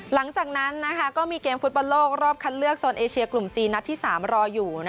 หลังจากนั้นก็มีเกมฟุตบอลโลกรอบคัดเลือกโซนเอเชียกลุ่มจีนนัดที่๓รออยู่